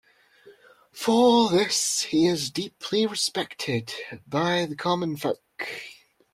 For this he is deeply respected by the common folk.